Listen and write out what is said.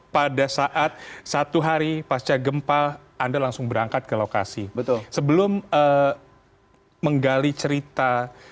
pada saat satu hari pasca gempa anda langsung berangkat ke lokasi betul sebelum menggali cerita